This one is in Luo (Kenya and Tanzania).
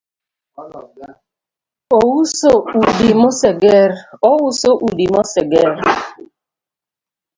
Ouso udi moseger